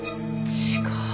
違う。